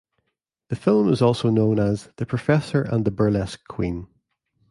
The film is also known as "The Professor and the Burlesque Queen".